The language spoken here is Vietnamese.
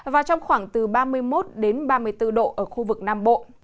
và trong khoảng từ ba mươi một đến ba mươi bốn độ ở khu vực nam bộ